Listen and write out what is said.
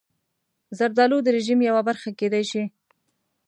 زردالو د رژیم یوه برخه کېدای شي.